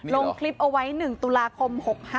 ลงคลิปเอาไว้๑ตุลาคม๖๕